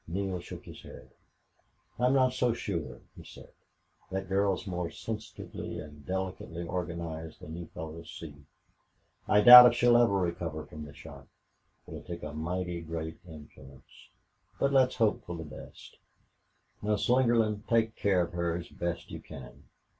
Neale shook his head. "I'm not so sure," he said. "That girl's more sensitively and delicately organized than you fellows see. I doubt if she'll ever recover from the shock. It'll take a mighty great influence.... But let's hope for the best. Now, Slingerland, take care of her as best you can.